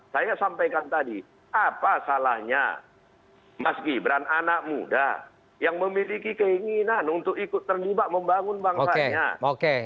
saya sampaikan tadi apa salahnya mas gibran anak muda yang memiliki keinginan untuk ikut terlibat membangun bangsanya